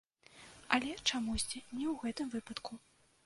Але, чамусьці, не ў гэтым выпадку.